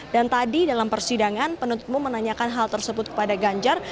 dan tadi dalam persidangan penutupmu menanyakan hal tersebut kepada ganjar